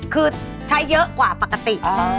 คือใช้เยอะกว่าปกติ